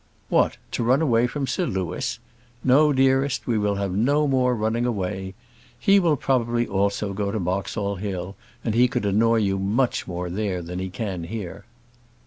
"What! to run away from Sir Louis? No, dearest, we will have no more running away. He will probably also go to Boxall Hill, and he could annoy you much more there than he can here."